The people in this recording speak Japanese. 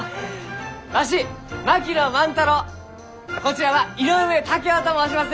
わし槙野万太郎こちらは井上竹雄と申します！